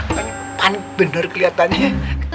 panik bener keliatannya